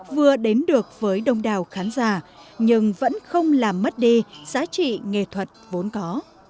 vừa đến được với đông đào khán giả nhưng vẫn không làm mất đi giá trị nghệ thuật vốn có